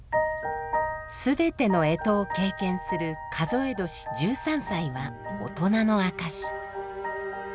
全ての干支を経験する数え年１３歳は大人の証し。